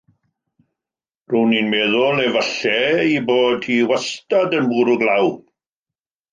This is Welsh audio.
Rown i'n meddwl efallai ei bod hi wastad yn bwrw glaw.